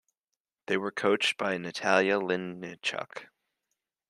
They were coached by Natalia Linichuk.